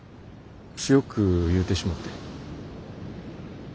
強く言うてしもうて。